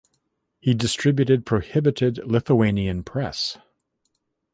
He distributed prohibited Lithuanian press.